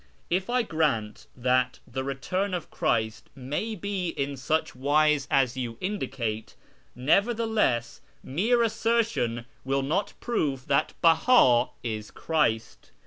II' I grant that the return df Christ may he in such wise as you indicate, nevertheless mere assertion will not prove that Beha is Christ.